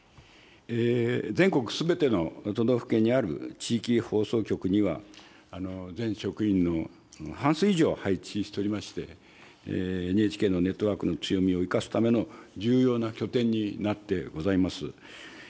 全国すべての都道府県にある地域放送局には、全職員の半数以上を配置しておりまして、ＮＨＫのネットワークの強みを生かすための重要な拠点になってございます。